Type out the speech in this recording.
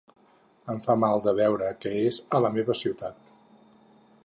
Em fa mal de veure que és a la meva ciutat.